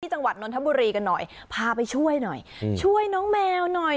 จังหวัดนนทบุรีกันหน่อยพาไปช่วยหน่อยช่วยน้องแมวหน่อย